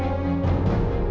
mereka tak tepat